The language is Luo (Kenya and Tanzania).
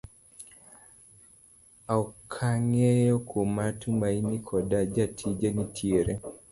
okang'eyo kuma Tumaini koda jatije nitiere.